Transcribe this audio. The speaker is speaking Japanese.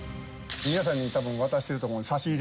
皆さんに多分渡してると思う差し入れ。